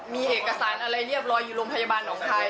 มีเอกสารอะไรเรียบร้อยอยู่โรงพยาบาลหนองคาย